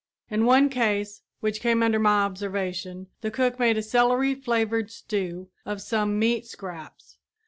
In one case which came under my observation, the cook made a celery flavored stew of some meat scraps.